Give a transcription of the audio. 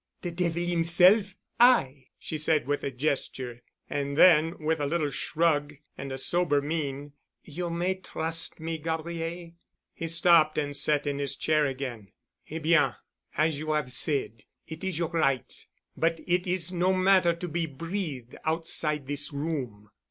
"The devil himself—I——," she said with a gesture. And then, with a little shrug and a sober mien, "You may trust me, Gabriel." He stopped and sat in his chair again. "Eh, bien! As you have said. It is your right. But it is no matter to be breathed outside this room."